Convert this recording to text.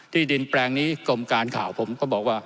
ที่ดินแปลงนี้กรมการข่าวผมก็บอกว่า